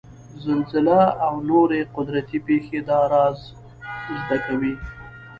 زلزله او نورې قدرتي پېښې دا رازد کوي.